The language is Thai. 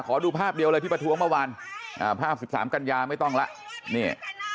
ขอดูภาพเดียวเลยที่ประท้วงเมื่อวานอ่าภาพสิบสามกัญญาไม่ต้องละนี่